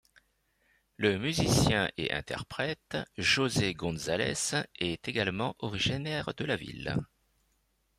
Le musicien et interprète José González est également originaire de la ville.